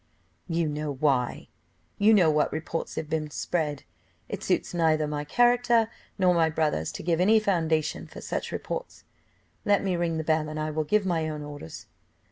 "You know why; you know what reports have been spread; it suits neither my character nor my brother's to give any foundation for such reports. Let me ring the bell and I will give my own orders."